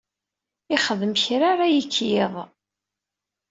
Ixeddem kra ara yekk yiḍ.